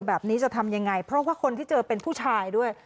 แบบนี้จะทำยังไงเพราะว่าคนที่เจอเป็นผู้ชายด้วย